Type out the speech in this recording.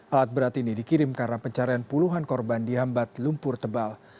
alat berat ini dikirim karena pencarian puluhan korban dihambat lumpur tebal